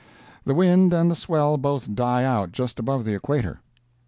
The wind and the swell both die out just above the equator.